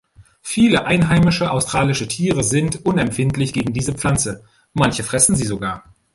Viele einheimische australische Tiere sind unempfindlich gegen diese Pflanze, manche fressen sie sogar.